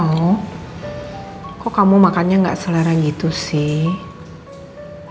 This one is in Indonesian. oh kok kamu makannya gak selera gitu sih